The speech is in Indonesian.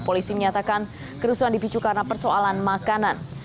polisi menyatakan kerusuhan dipicu karena persoalan makanan